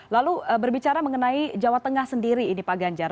lalu berbicara mengenai jawa tengah sendiri ini pak ganjar